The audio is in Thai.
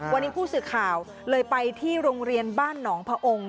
วันนี้ผู้สื่อข่าวเลยไปที่โรงเรียนบ้านหนองพระองค์